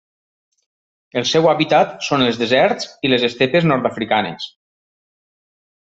El seu hàbitat són els deserts i les estepes nord-africanes.